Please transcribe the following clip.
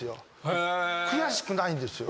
悔しくないんですよ。